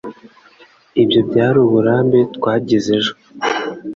Ibyo byari uburambe twagize ejo.